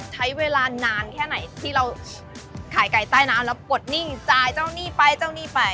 ใช้เวลานานแค่ไหนที่เราขายไก่ใต้น้ำแล้วปลดหนิ่งจ่ายเจ้าหนี้ไปเจ้าหนี้ไป